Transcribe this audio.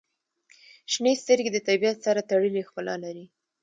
• شنې سترګې د طبیعت سره تړلې ښکلا لري.